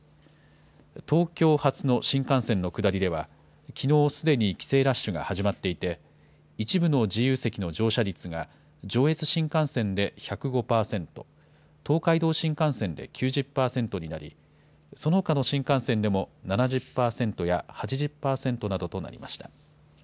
東京発の新幹線の下りでは、きのうすでに帰省ラッシュが始まっていて、一部の自由席の乗車率が上越新幹線で１０５％、東海道新幹線で９０％になり、そのほかの新幹線でも７０％や８０％などとなりました。